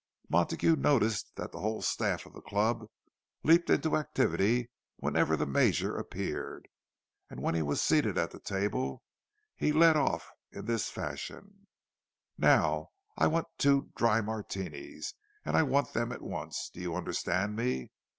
Montague noticed that the whole staff of the club leaped into activity whenever the Major appeared; and when he was seated at the table, he led off in this fashion—"Now I want two dry Martinis. And I want them at once—do you understand me?